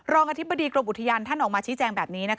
อธิบดีกรมอุทยานท่านออกมาชี้แจงแบบนี้